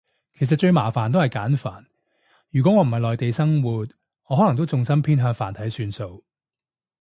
其實最麻煩都係簡繁，如果我唔係内地生活，我可能都重心偏向繁體算數